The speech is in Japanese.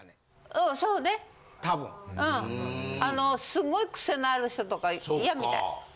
すごいクセのある人とか嫌みたい。